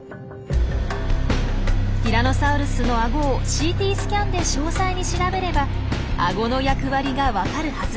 ティラノサウルスのアゴをＣＴスキャンで詳細に調べればアゴの役割が分かるはず。